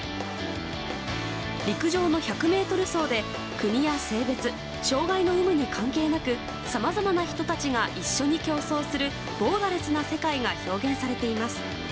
陸上の１００ｍ走で国や性別障害の有無に関係なくさまざまな人たちが一緒に競争するボーダーレスな世界が表現されています。